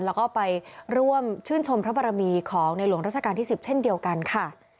แล้วก็ไปร่วมชื่นชมพระบรมีของในหลวงราชการที่๑๐เช่นเดียวกันค่ะ